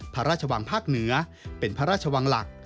พระราชวังภาคเหนือเป็นพระราชวังหลัก